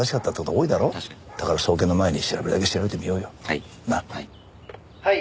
「はい」